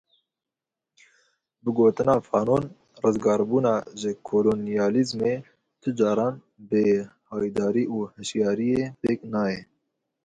Bi gotina Fanon, rizgarbûna ji kolonyalîzmê tu caran bê haydarî û hişyariyê pêk nayê.